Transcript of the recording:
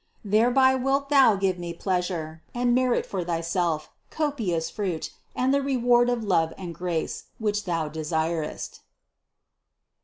Thereby wilt thou give me pleasure, and merit for thyself copious fruit and the re ward of love and grace, which thou desirest.